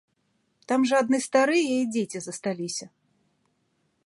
Там жа адны старыя і дзеці засталіся!